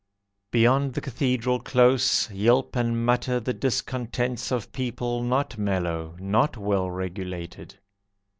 Beyond the Cathedral Close Yelp and mutter the discontents of people not mellow, Not well regulated.